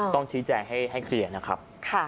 ต้องชี้แจงให้เคลียร์นะครับ